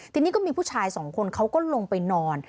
ทีนี้ก็มีผู้ชายสองคนเขาก็ลงไปนอน